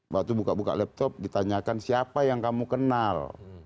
waktu buka buka laptop ditanyakan siapa yang kamu kenal